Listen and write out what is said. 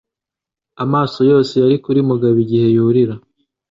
Amaso yose yari kuri Mugabo igihe yurira.